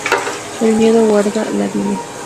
El miedo guarda la viña